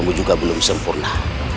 kamu juga belum sempurna